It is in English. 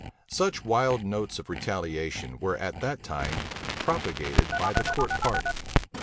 Such wild notes of retaliation were at that time propagated by the court party.